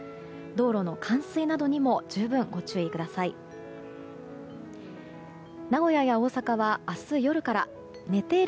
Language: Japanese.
道路の冠水などにも十分ご注意ください。